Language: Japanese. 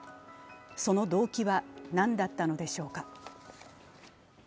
その動機は何だったのでしょうか？